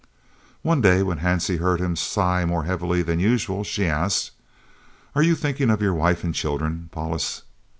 One day, when Hansie heard him sigh more heavily than usual, she asked: "Are you thinking of your wife and children, Paulus?"